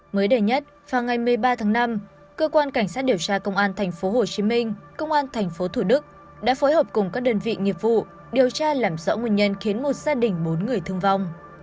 mới đầy nhất vào ngày một mươi ba tháng năm cơ quan cảnh sát điều tra công an tp hcm công an tp thủ đức đã phối hợp cùng các đơn vị nghiệp vụ điều tra làm rõ nguyên nhân khiến một gia đình bốn người thương vong